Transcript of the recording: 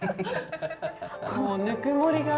こうぬくもりが。